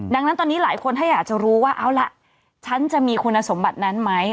ดังนั้นตอนนี้หลายคนถ้าอยากจะรู้ว่าเอาล่ะฉันจะมีคุณสมบัตินั้นไหม